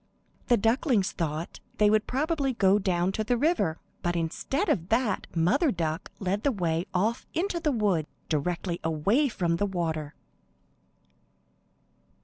The ducklings thought they would probably go down to the river, but instead of that Mother Duck led the way off into the wood, directly away from the water.